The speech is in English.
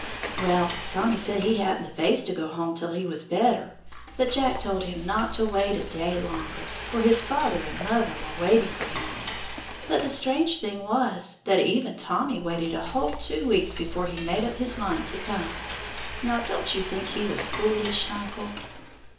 Well, Tommy said he hadn't the face to go home till he was better, but Jack told him not to wait a day longer, for his father and mother were waiting for him; but the strange thing was that even then Tommy waited a whole two weeks before he made up his mind to come. Now don't you think he was foolish, uncle?"